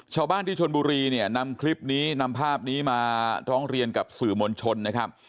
ชาวบ้านที่ชนบุรีเนี่ยนำคลิปนี้นำภาพนี้มาร้องเรียนกับสื่อมวลชนนะครับ